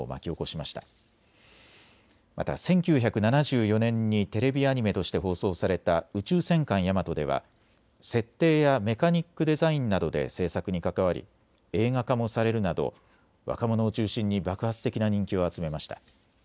また１９７４年にテレビアニメとして放送された宇宙戦艦ヤマトでは設定やメカニックデザインなどで制作に関わり映画化もされるなど若者を中心に爆発的な人気を集めました。